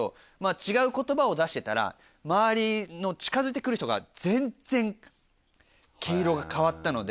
違う言葉を出してたら周りの近づいて来る人が全然毛色が変わったので。